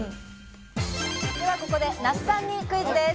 では、ここで那須さんにクイズです。